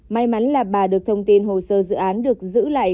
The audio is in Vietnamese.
may mắn là bà được thông tin hồ sơ dự án được giữ lại